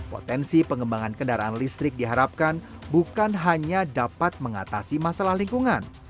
potensi pengembangan kendaraan listrik diharapkan bukan hanya dapat mengatasi masalah lingkungan